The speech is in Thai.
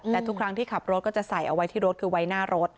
แต่ทุกครั้งที่ขับรถก็จะใส่เอาไว้ที่รถคือไว้หน้ารถ